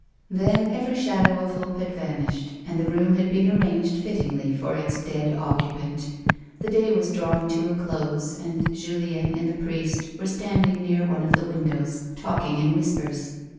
Then every shadow of hope had vanished, and the room had been arranged fittingly for its dead occupant. The day was drawing to a close, and Julien and the priest were standing near one of the windows, talking in whispers.